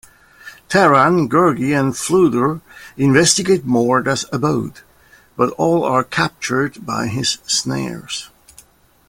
Taran, Gurgi and Fflewddur investigate Morda's abode, but all are captured by his snares.